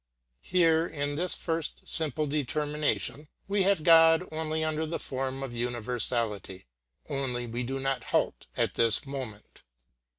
Here, in this first simple determination, we have God only under the form of universality. Only we do not halt at this moment.